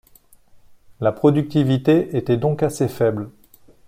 La productivité était donc assez faible.